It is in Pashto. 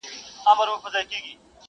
د دښمن په خوږو خبرو مه تېر وزه.